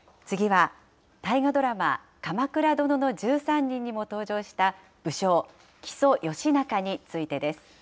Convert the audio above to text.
次は、大河ドラマ、鎌倉殿の１３人にも登場した武将、木曽義仲についてです。